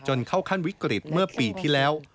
เข้าขั้นวิกฤตเมื่อปีที่แล้ว